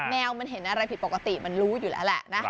แมวมันเห็นอะไรผิดปกติมันรู้อยู่แล้วแหละนะ